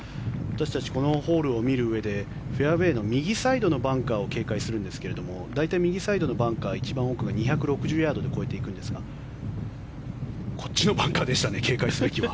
私たちこのホールを見るうえでフェアウェーの右サイドのバンカーを警戒するんですけれど大体、右サイドのバンカー一番奥が２６０ヤードで越えていくんですがこっちのバンカーでしたね警戒すべきは。